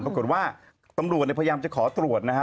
ปรากฏว่าตำรวจพยายามจะขอตรวจนะครับ